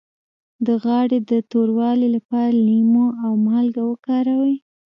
د غاړې د توروالي لپاره لیمو او مالګه وکاروئ